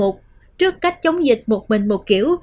trước cách chống dịch một mình một kiểu